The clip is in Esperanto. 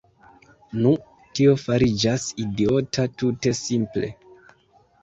Nu, tio fariĝas idiota tute simple.